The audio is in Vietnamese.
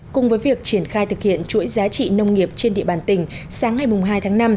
cùng với việc triển khai thực hiện chuỗi giá trị nông nghiệp trên địa bàn tỉnh sáng ngày hai tháng năm